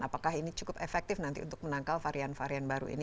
apakah ini cukup efektif nanti untuk menangkal varian varian baru ini